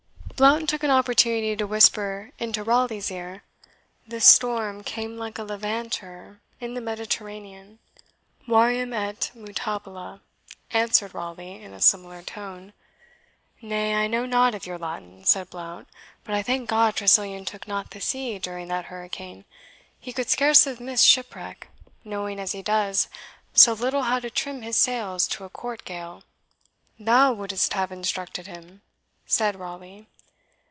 Blount took an opportunity to whisper into Raleigh's ear, "This storm came like a levanter in the Mediterranean." "VARIUM ET MUTABILE," answered Raleigh, in a similar tone. "Nay, I know nought of your Latin," said Blount; "but I thank God Tressilian took not the sea during that hurricane. He could scarce have missed shipwreck, knowing as he does so little how to trim his sails to a court gale." "Thou wouldst have instructed him!" said Raleigh.